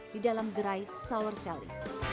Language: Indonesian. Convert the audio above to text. di dalam gerai saurseli